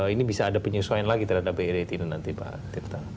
ini bisa ada penyesuaian lagi terhadap bi rate ini nanti pak tirta